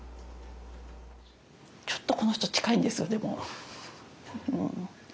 ちょっとこの人近いんですよでも。